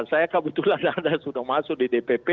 saya kebetulan ada sudah masuk di dpp